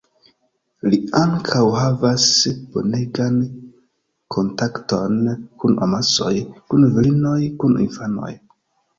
Li ankaŭ havas bonegan kontakton kun amasoj, kun virinoj, kun infanoj.